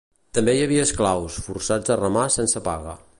També hi havia esclaus, forçats a remar sense paga.